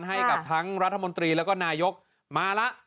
ให้กับทั้งรัฐมนตรีแล้วก็นายกมาแล้ว